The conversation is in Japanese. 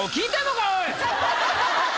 おい！